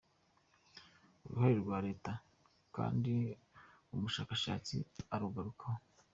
Uruhare rwa Leta kandi umushakashatsi arugarukaho.